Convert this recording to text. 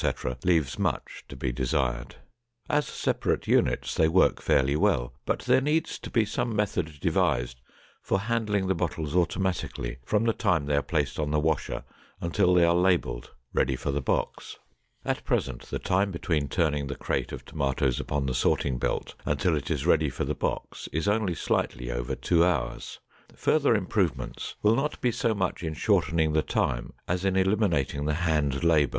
leaves much to be desired; as separate units they work fairly well, but there needs to be some method devised for handling the bottles automatically from the time they are placed on the washer until they are labeled, ready for the box. At present the time between turning the crate of tomatoes upon the sorting belt until it is ready for the box is only slightly over two hours. Further improvement will not be so much in shortening the time as in eliminating the hand labor.